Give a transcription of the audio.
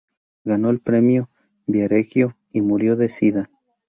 Ganó el Premio Viareggio y murió de sida.